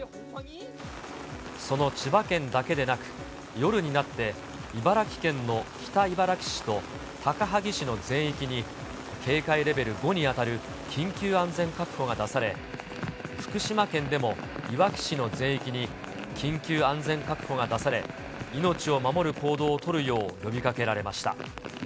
その千葉県だけでなく、夜になって茨城県の北茨城市と高萩市の全域に、警戒レベル５に当たる緊急安全確保が出され、福島県でもいわき市の全域に緊急安全確保が出され、命を守る行動を取るよう呼びかけられました。